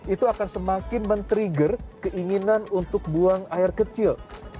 itu akan semakin men trigger keinginan untuk buang air kecil